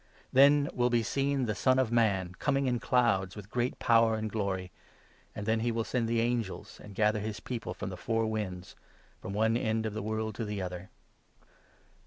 Then will be seen the 'Son of Man coming in clouds ' with great power and glory ; and then he will send the angels, and gather his People from the four winds, from one end of the world to the other.